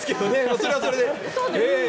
それはそれで。